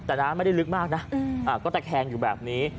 แต่น้ำไม่ได้ลึกมากนะก็ตะแคงอยู่แบบนี้